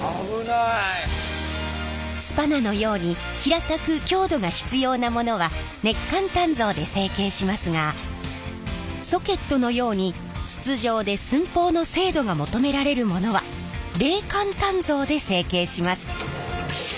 スパナのように平たく強度が必要なものは熱間鍛造で成形しますがソケットのように筒状で寸法の精度が求められるものは冷間鍛造で成形します。